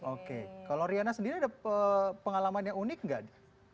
oke kalau riana sendiri ada pengalaman yang unik nggak